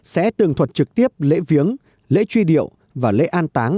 sẽ tường thuật trực tiếp lễ viếng lễ truy điệu và lễ an táng